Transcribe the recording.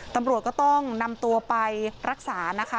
ตำรวจก็ต้องนำตัวไปรักษานะคะ